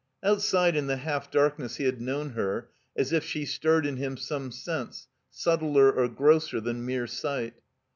Outside in the half darkness he had known her, as if she stirred in him some sense, subtler or grosser than mere sight.